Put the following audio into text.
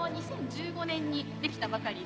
２０１５年にできたばかりで。